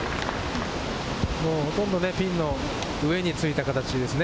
ほとんどピンの上についた形ですね。